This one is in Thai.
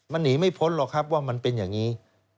มันหนีไม่พ้นหรอกครับว่ามันเป็นอย่างนี้